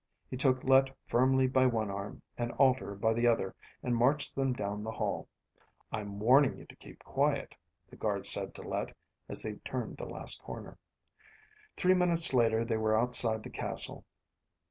He took Let firmly by one arm and Alter by the other and marched them down the hall. "I'm warning you to keep quiet," the guard said to Let as they turned the last corner. Three minutes later they were outside the castle.